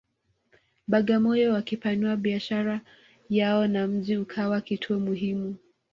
Bagamoyo wakipanua biashara yao na mji ukawa kituo muhimu